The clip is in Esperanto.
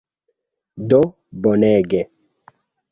Do bonege!